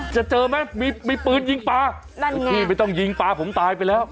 เจอไหมมีปืนยิงปลานั่นพี่ไม่ต้องยิงปลาผมตายไปแล้ว